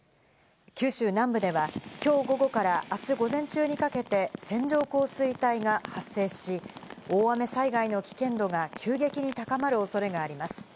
九州南部ではきょう午後からあす午前中にかけて、線状降水帯が発生し、大雨災害の危険度が急激に高まる恐れがあります。